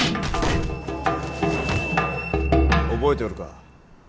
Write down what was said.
覚えておるか？